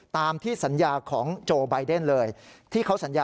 ตามสัญญาณของโจอล์บายเดนเลย